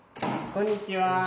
こんにちは。